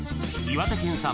岩手県産